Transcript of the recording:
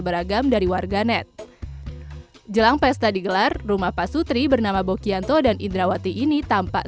beragam dari warganet jelang pesta digelar rumah pak sutri bernama bokyanto dan indrawati ini tampak